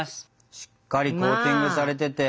しっかりコーティングされてて。